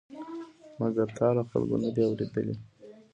مګر تا له خلکو نه دي اورېدلي؟